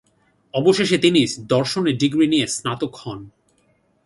অবশেষে তিনি দর্শনে ডিগ্রি নিয়ে স্নাতক হন।